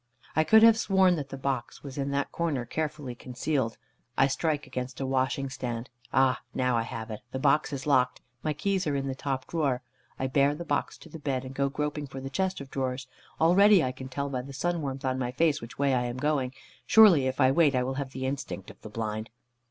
I could have sworn that the box was in that corner carefully concealed. I strike against a washing stand. Ah, now I have it; the box is locked, my keys are in the top drawer. I bear the box to the bed, and go groping for the chest of drawers. Already I can tell by the sun warmth on my face, which way I am going. Surely, if I wait, I shall have the instinct of the blind.